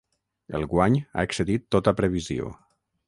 El guany ha excedit tota la previsió.